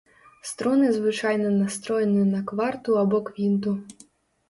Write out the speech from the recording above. Струны звычайна настроены на кварту або квінту.